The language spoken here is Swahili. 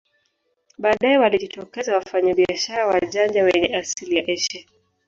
Baadae walijitokeza wafanyabiashara wajanja wenye asili ya Asia